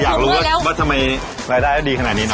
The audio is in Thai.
อยากรู้ว่าทำไมรายได้ดีขนาดนี้เน